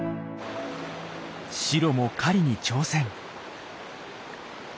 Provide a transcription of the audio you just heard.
シロも狩りに挑戦。